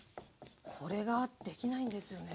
これができないんですよね。